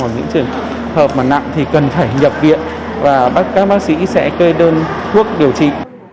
những trường hợp mà nặng thì cần phải nhập viện và các bác sĩ sẽ kê đơn thuốc điều trị